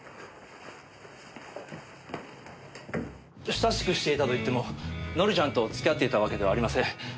親しくしていたといっても紀ちゃんと付き合っていたわけではありません。